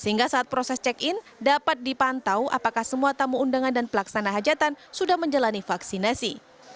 sehingga saat proses check in dapat dipantau apakah semua tamu undangan dan pelaksana hajatan sudah menjalani vaksinasi